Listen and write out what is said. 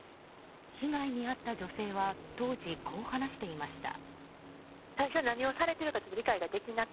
被害に遭った女性は当時、こう話していました。